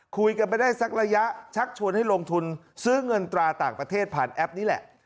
คุยกันไม่ได้สักระยะชักชวนให้ลงทุนซื้อเงินตราต่างประเทศผ่านแอปนี้แหละ